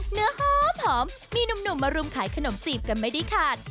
เนื้อหอมมีหนุ่มมารุมขายขนมจีบกันไม่ได้ขาด